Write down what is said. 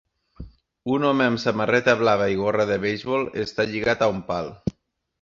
Un home amb samarreta blava i gorra de beisbol està lligat a un pal.